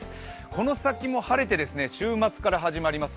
この先も晴れて、週末から始まります